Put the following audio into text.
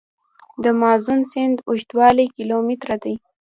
د مازون سیند اوږدوالی کیلومتره دی.